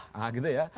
nah gitu ya